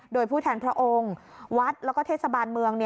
โดยผู้แทนพระองค์วัดแล้วก็เทศบาลเมือง